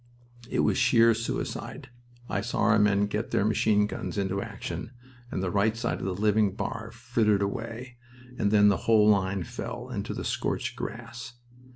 It was sheer suicide. I saw our men get their machineguns into action, and the right side of the living bar frittered away, and then the whole line fell into the scorched grass.